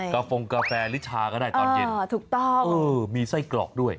กาฟงกาแฟลิชาก็ได้ตอนเย็นมีไส้กรอกด้วย